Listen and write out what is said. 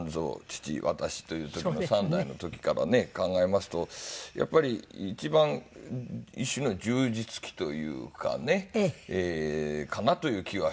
私という時の３代の時から考えますとやっぱり一番一種の充実期というかねかなという気はしますね。